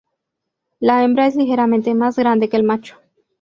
La hembra es ligeramente más grande que el macho.